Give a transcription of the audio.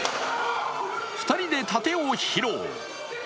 ２人で殺陣を披露。